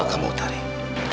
jangan sampai ter dining